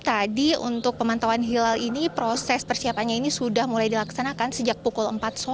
tadi untuk pemantauan hilal ini proses persiapannya ini sudah mulai dilaksanakan sejak pukul empat sore